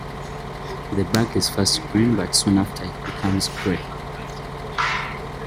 The bark is first green, but soon after it becomes gray.